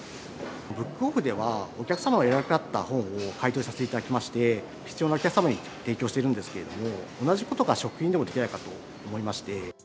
ブックオフではお客様がいらなくなった本を買い取りさせていただきまして、必要なお客様に提供しているんですけれども、同じことが食品でもできないかと思いまして。